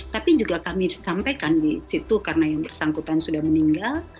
tapi juga kami sampaikan di situ karena yang bersangkutan sudah meninggal